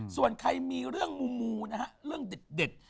ส่วนใครมีเรื่องมูนะฮะเรื่องเด็ด